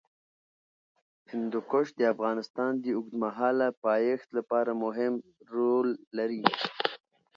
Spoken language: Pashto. هندوکش د افغانستان د اوږدمهاله پایښت لپاره مهم رول لري.